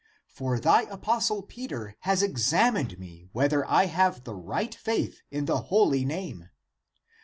For thy apostle Peter has examined me whether I have the right faith in thy holy name.